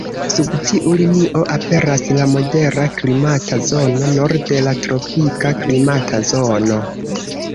Sub tiu linio aperas la modera klimata zono, norde la tropika klimata zono.